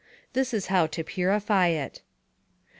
This is how to purify it: 1.